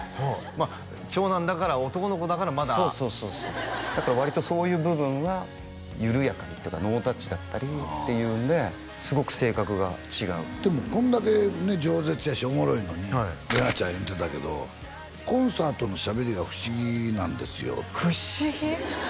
まあ長男だから男の子だからまだそうそうそうそうだから割とそういう部分は緩やかにっていうかノータッチだったりっていうんですごく性格が違うでもこんだけねじょう舌やしおもろいのに麗奈ちゃん言ってたけどコンサートのしゃべりが不思議なんですよって不思議？